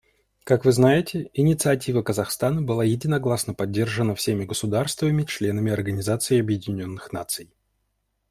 Как вы знаете, инициатива Казахстана была единогласно поддержана всеми государствами — членами Организации Объединенных Наций.